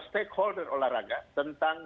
stakeholder olahraga tentang